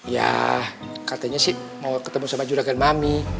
ya katanya sih mau ketemu sama juragan mami